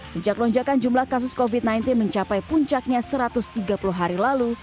sejak lonjakan jumlah kasus covid sembilan belas mencapai puncaknya satu ratus tiga puluh hari lalu